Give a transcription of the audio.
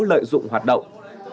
lợi dụng hoạt động